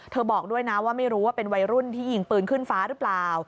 บอกด้วยนะว่าไม่รู้ว่าเป็นวัยรุ่นที่ยิงปืนขึ้นฟ้าหรือเปล่า